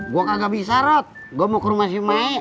gua kagak bisa rod gua mau ke rumah si maik